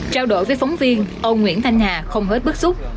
trao đổi với phóng viên ông nguyễn thanh hà không hết bức xúc